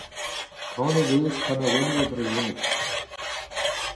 Kanet o deus kanaouennoù e brezhoneg.